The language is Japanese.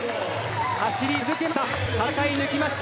走り続けました。